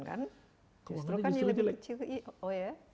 keuangan itu jelek